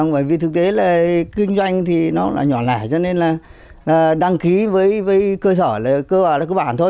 bởi vì thực tế là kinh doanh thì nó là nhỏ lẻ cho nên là đăng ký với cơ sở là cơ bản thôi